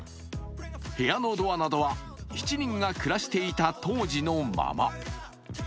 部屋のドアなどは７人が暮らしていた当時のまま。